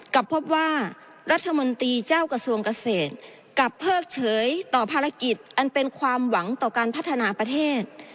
กลับพบว่ารัฐมนตรีเจ้ากระทรวงเกษตรกลับเพิกเฉยต่อภารกิจอันเป็นความหวังต่อการพัฒนาประเทศ